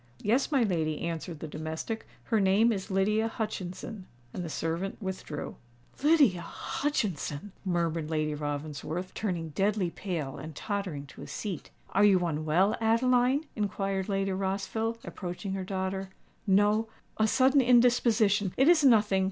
"Yes, my lady," answered the domestic: "her name is Lydia Hutchinson." And the servant withdrew. "Lydia Hutchinson!" murmured Lady Ravensworth, turning deadly pale, and tottering to a seat. "Are you unwell, Adeline?" inquired Lady Rossville, approaching her daughter. "No—a sudden indisposition—it is nothing!"